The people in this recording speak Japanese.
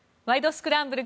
スクランブル」